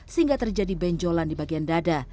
sehingga terjadi benjolan di bagian dada